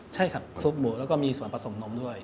ใช่ครับซุปหมูแล้วก็มีส่วนผสมนมด้วย